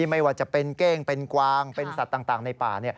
ไม่ว่าจะเป็นเก้งเป็นกวางเป็นสัตว์ต่างในป่า